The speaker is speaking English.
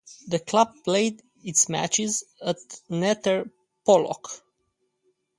The club played its matches at Nether Pollok.